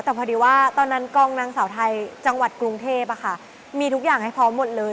แต่พอดีว่าตอนนั้นกองนางสาวไทยจังหวัดกรุงเทพมีทุกอย่างให้พร้อมหมดเลย